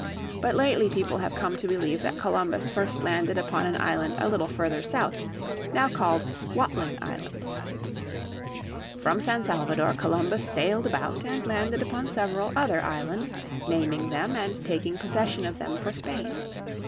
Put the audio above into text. But lately people have come to believe that Columbus first landed upon an island a little further south, now called, Watling Island. From San Salvador Columbus sailed about and landed upon several other islands, naming them and taking possession of them for Spain.